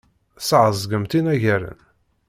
Tesɛeẓgemt inaragen.